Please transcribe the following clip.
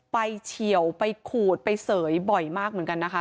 เฉียวไปขูดไปเสยบ่อยมากเหมือนกันนะคะ